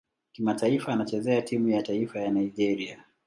Kimataifa anachezea timu ya taifa Nigeria.